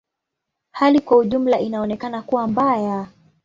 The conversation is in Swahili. Hali kwa ujumla inaonekana kuwa mbaya.